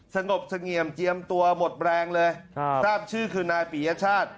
สงบเสงี่ยมเจียมตัวหมดแรงเลยทราบชื่อคือนายปียชาติ